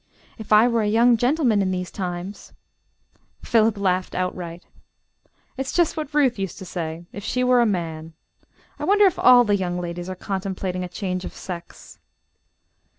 "If I were a young gentleman in these times " Philip laughed outright. "It's just what Ruth used to say, 'if she were a man.' I wonder if all the young ladies are contemplating a change of sex."